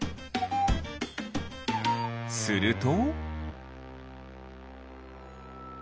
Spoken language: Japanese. すると。